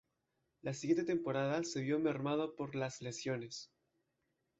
La siguiente temporada se vio mermado por las lesiones.